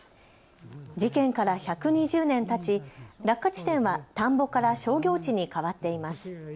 事件から１２０年たち落下地点は田んぼから商業地に変わっています。